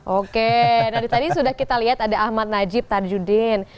oke dari tadi sudah kita lihat ada ahmad najib tarjudin